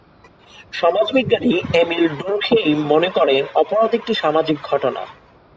যেমন: সমাজবিজ্ঞানী Emile Durkheim মনে করেন, অপরাধ একটি সামাজিক ঘটনা।